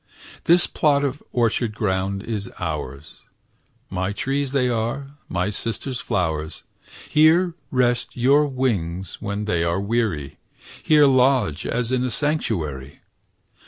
This plot of orchard ground is ours; My trees they are, my Sister's flowers; Here rest your wings when they are weary; Here lodge as in a sanctuary!